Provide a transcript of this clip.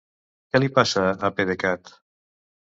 Què li passa a PDECat?